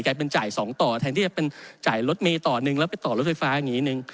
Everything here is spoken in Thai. เป็นจ่าย๒ต่อแทนที่จะเป็นจ่ายรถเมย์ต่อหนึ่งแล้วไปต่อรถไฟฟ้าอย่างนี้หนึ่ง